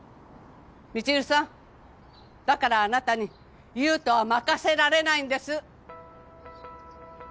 みちるさんだからあなたに優斗は任せられないんです。